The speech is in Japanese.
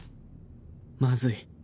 まずい